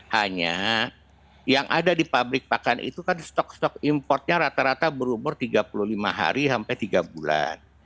hanya yang ada di pabrik pakan itu kan stok stok importnya rata rata berumur tiga puluh lima hari sampai tiga bulan